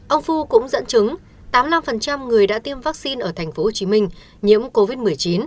ông fu cũng dẫn chứng tám mươi năm người đã tiêm vaccine ở tp hcm nhiễm covid một mươi chín